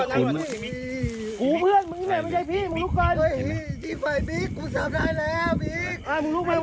อู้ววงขอบคุณพ่อนะครับ